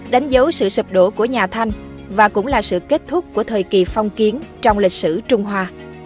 đánh dấu sự sập đổ của nhà thanh và cũng là sự kết thúc của thời kỳ phong kiến trong lịch sử trung hoa